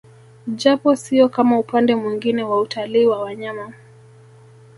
Japo sio kama upande mwingine wa utalii wa wanyama